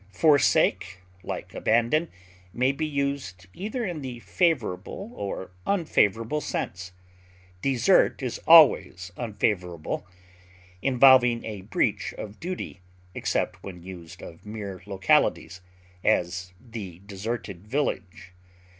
Forsake, like abandon, may be used either in the favorable or unfavorable sense; desert is always unfavorable, involving a breach of duty, except when used of mere localities; as, "the Deserted Village."